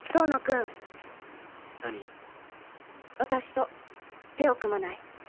私と手を組まない？